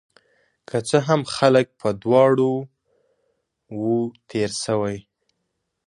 که څه هم، خلک په دواړو وو تیر شوي